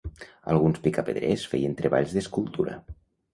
Alguns picapedrers feien treballs d'escultura.